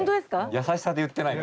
優しさで言ってないから。